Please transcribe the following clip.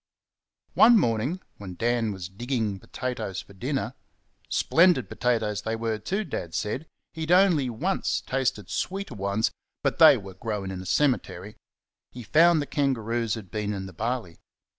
One morning when Dan was digging potatoes for dinner splendid potatoes they were, too, Dad said; he had only once tasted sweeter ones, but they were grown in a cemetery he found the kangaroos had been in the barley.